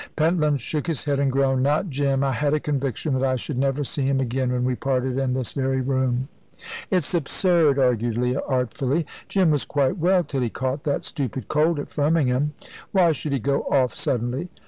Pentland shook his head, and groaned. "Not Jim. I had a conviction that I should never see him again when we parted in this very room." "It's absurd!" argued Leah, artfully. "Jim was quite well till he caught that stupid cold at Firmingham. Why should he go off suddenly?"